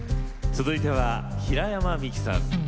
続いては平山みきさん。